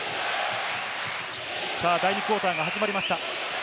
第２クオーターが始まりました。